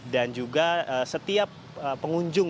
dan juga setiap pengunjung